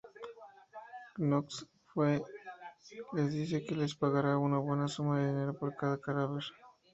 Knox les dice que les pagará una buena suma de dinero por cada cadáver.